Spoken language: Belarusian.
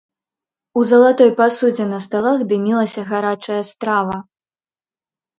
У залатой пасудзе на сталах дымілася гарачая страва.